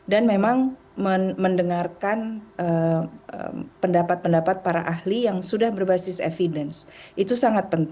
dan memang mendengarkan pendapat pendapat para ahli yang sudah berbasis evidence